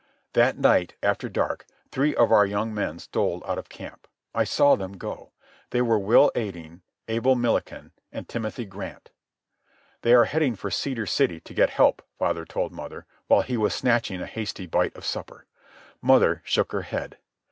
That night, after dark, three of our young men stole out of camp. I saw them go. They were Will Aden, Abel Milliken, and Timothy Grant. "They are heading for Cedar City to get help," father told mother while he was snatching a hasty bite of supper. Mother shook her head.